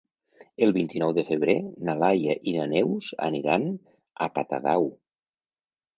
El vint-i-nou de febrer na Laia i na Neus aniran a Catadau.